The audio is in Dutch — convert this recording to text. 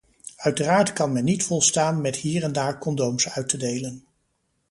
Uiteraard kan men niet volstaan met hier en daar condooms uit te delen.